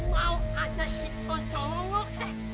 mau ada si poncolongok he